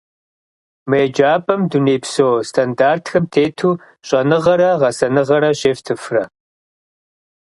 Мы еджапӏэм дунейпсо стандартхэм тету щӏэныгъэрэ гъэсэныгъэ щефтыфрэ?